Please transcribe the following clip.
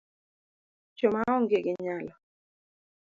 jo ma onge gi nyalo